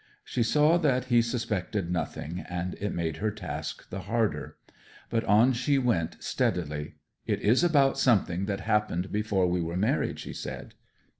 She saw that he suspected nothing, and it made her task the harder. But on she went steadily. 'It is about something that happened before we were married,' she said.